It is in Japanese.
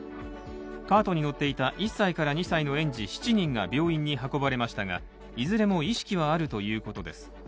カートに乗っていた１歳から２歳の園児７人が病院に運ばれましたがいずれも意識はあるということです。